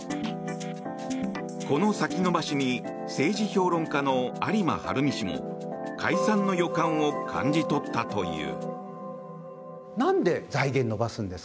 この先延ばしに政治評論家の有馬晴海氏も解散の予感を感じ取ったという。